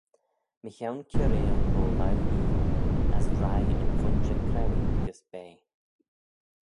Mychione kiarail ro-laue Yee, as reih yn vooinjer crauee gys bea.